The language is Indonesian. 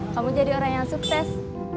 kamu jadi orang yang sukses